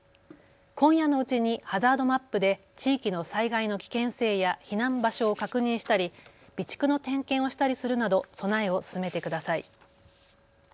今夜のうちにハザードマップで地域の災害の危険性や避難場所を確認したり、備蓄の点検をしたりするなど備えを進めてください。